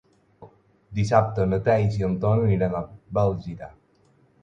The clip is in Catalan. Dissabte na Thaís i en Ton aniran a Bèlgida.